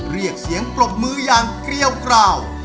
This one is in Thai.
เรียกเสียงปรบมืออย่างเกลียวกราว